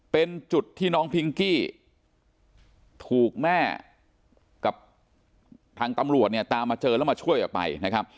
เป็นจุดที่น้องพิงกี้ถูกแม่กับทางตำรวจเนี่ยตามมาเจอแล้วมาช่วยออกไปนะครับ